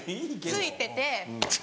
「ついてて」。